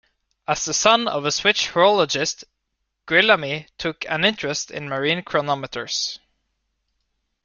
As the son of a Swiss horologist Guillaume took an interest in marine chronometers.